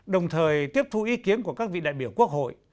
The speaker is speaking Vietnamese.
đồng thời tiếp thu ý kiến của các vị đại biểu quốc hội